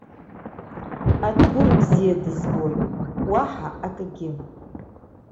Адгәыр бзиа дызбоит, уаҳа акагьы.